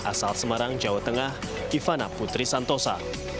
asal semarang jawa tengah ivana putri santosa